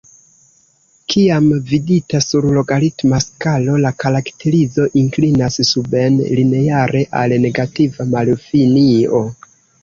Kiam vidita sur logaritma skalo la karakterizo inklinas suben lineare al negativa malfinio.